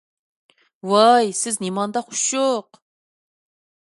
ۋاي سىز نېمانداق ئۇششۇق!